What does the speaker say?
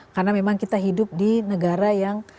karena memang kita hidup di negara yang